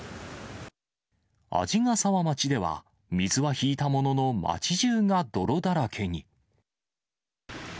鯵ヶ沢町では、水は引いたものの、町中が泥だらけに。